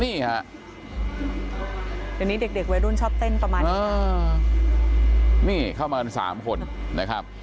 นี่ฮะเดี๋ยวนี้เด็กเด็กวัยรุ่นชอบเต้นประมาณนี้นี่เข้ามากันสามคนนะครับ